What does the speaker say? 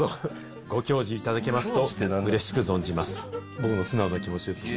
僕の素直な気持ちです、これ。